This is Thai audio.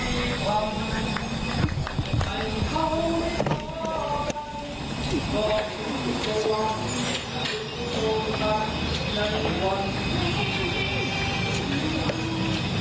หวังใครเขาจะกลับไปเพราะทุกโครวันและทุกโทนักนั้นวันนี้